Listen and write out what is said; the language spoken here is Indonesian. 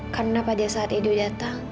karena pada saat edo datang